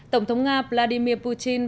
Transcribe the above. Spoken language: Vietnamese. tổng thống nga vladimir putin